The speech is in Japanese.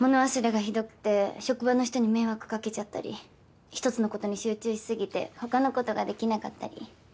物忘れがひどくて職場の人に迷惑かけちゃったり一つのことに集中し過ぎて他のことができなかったり。